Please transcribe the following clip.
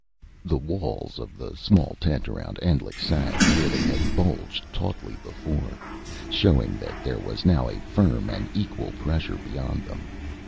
The walls of the small tent around Endlich sagged, where they had bulged tautly before showing that there was now a firm and equal pressure beyond them.